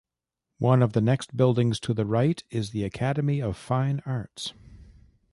One of the next buildings to the right is the Academy of Fine Arts.